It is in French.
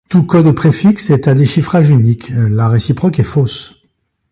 Tout code préfixe est à déchiffrage unique, la réciproque est fausse.